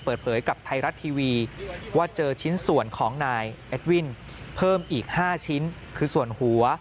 เปิดเผยกับไทยรัฐทีวีว่าเจอชิ้นส่วนของนายเอ็ดวินเพิ่มอีก๕ชิ้นคือส่วนหัว